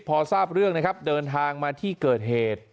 พอทราบเรื่องนะครับเดินทางมาที่เกิดเหตุ